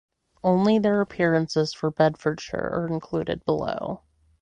Only their appearances for Bedfordshire are included below.